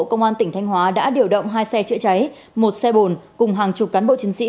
công an tỉnh thanh hóa đã điều động hai xe chữa cháy một xe bồn cùng hàng chục cán bộ chiến sĩ